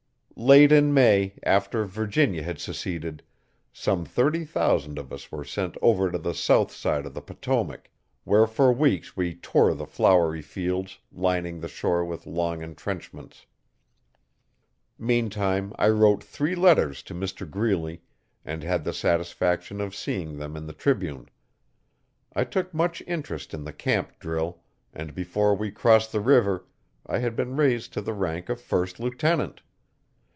Late in May, after Virginia had seceded, some thirty thousand of us were sent over to the south side of the Potomac, where for weeks we tore the flowery fields, lining the shore with long entrenchments. Meantime I wrote three letters to Mr Greeley, and had the satisfaction of seeing them in the Tribune. I took much interest in the camp drill, and before we crossed the river I had been raised to the rank of first lieutenant.